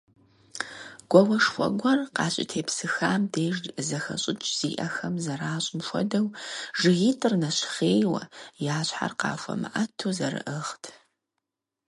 Гуауэшхуэ гуэр къащытепсыхам деж зэхэщӀыкӀ зиӀэхэм зэращӀым хуэдэу, жыгитӀыр нэщхъейуэ, я щхьэр къахуэмыӀэту зэрыӀыгът.